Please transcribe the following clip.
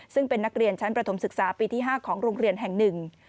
ซึ่งเป็นนักเรียนชั้นประถมศึกษาปีที่๕ของโรงเรียนแห่งหนึ่ง